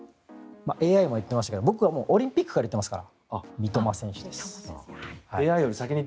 ＡＩも言っていましたけど僕はオリンピックから言っていましたから。